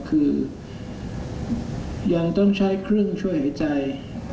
คือยังต้องใช้เครื่องช่วยหายใจ